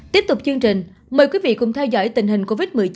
tiếp tục chương trình mời quý vị cùng theo dõi tình hình covid một mươi chín